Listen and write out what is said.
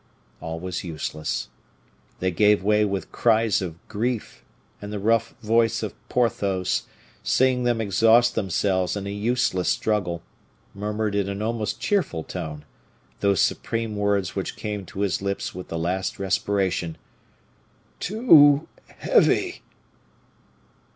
All was useless. They gave way with cries of grief, and the rough voice of Porthos, seeing them exhaust themselves in a useless struggle, murmured in an almost cheerful tone those supreme words which came to his lips with the last respiration, "Too heavy!"